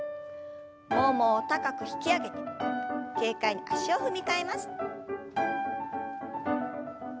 ももを高く引き上げ軽快に足を踏み替えます。